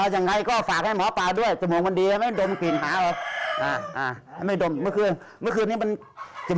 อย่างไรก็ฝากให้หมอปลาด้วยจมูกมันดีไม่ได้ดมกลิ่นหา